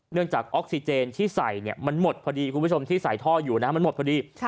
จากออกซิเจนที่ใส่มันหมดพอดีคุณผู้ชมที่ใส่ท่ออยู่นะมันหมดพอดี